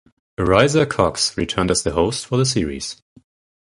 Arisa Cox returned as the host for the series.